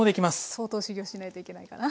相当修業しないといけないかな。